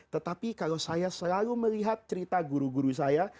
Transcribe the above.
tetapi kalau saya selalu melihat cerita guru guru saya